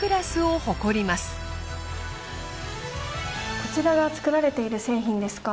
こちらが作られている製品ですか？